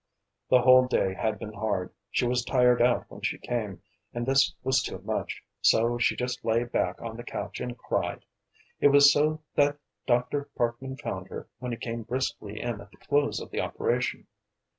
The whole day had been hard, she was tired out when she came, and this was too much. So she just lay back on the couch and cried. It was so that Dr. Parkman found her when he came briskly in at the close of the operation.